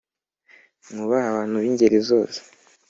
Mwubahe abantu bingeri zose